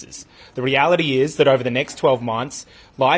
kebenaran adalah dalam dua belas bulan setelah ini